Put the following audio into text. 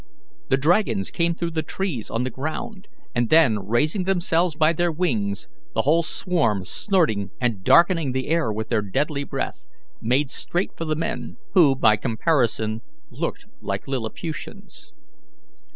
The dragons came through the trees on the ground, and then, raising themselves by their wings, the whole swarm, snorting, and darkening the air with their deadly breath, made straight for the men, who by comparison looked like Lilliputians.